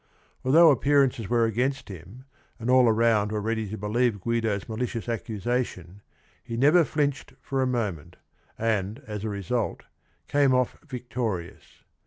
Al though appearances were against him, and all around were ready to believe Guido's malicious accusation, he never flinched for a moment, and as a result, came off victorious.